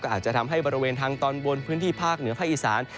อาจจะทำให้บริเวณทางตอนบนพื้นที่ภาคเหนือภาคอีสาน